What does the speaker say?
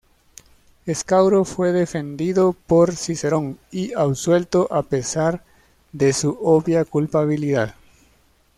Escauro fue defendido por Cicerón, y absuelto a pesar de su obvia culpabilidad.